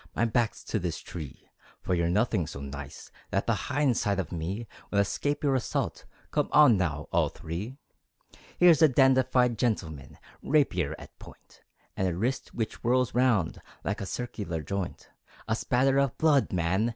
My back's to this tree, For you're nothing so nice That the hind side of me Would escape your assault. Come on now, all three! Here's a dandified gentleman, Rapier at point, And a wrist which whirls round Like a circular joint. A spatter of blood, man!